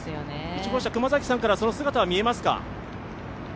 １号車からその姿は見えますか？